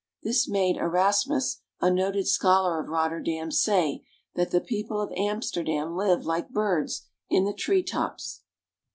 This made Erasmus, a noted scholar of Rotterdam, say that " the people of Amsterdam live like birds, in the tree tops."